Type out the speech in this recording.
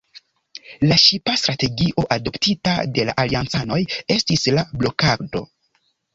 La ŝipa strategio adoptita de la aliancanoj estis la blokado.